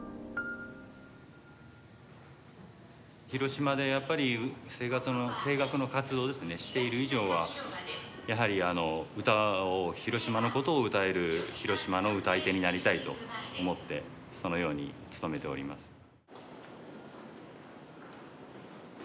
広島でやっぱり声楽の活動ですねしている以上はやはりあの歌を広島のことを歌える広島の歌い手になりたいと思ってそのように努めております。